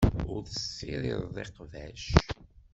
Ur tessirideḍ iqbac.